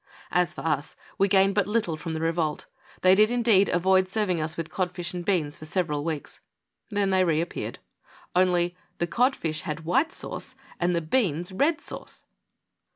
As for us, we gained but little from the revolt. They did, indeed, avoid serv ing us with codfish and beans for several weeks. *^/ien they reappeared. Only the codfish had white sauce and the beans red sauce!